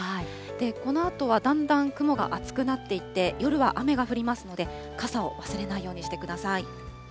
このあとはだんだん雲が厚くなっていって、夜は雨が降りますので、傘を忘れないようにしてください。